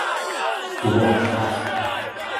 Que boa cabaza.